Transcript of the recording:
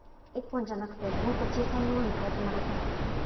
１本じゃなくてもっと小さいものに替えてもらったら？